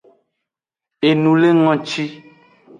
Enulengoci.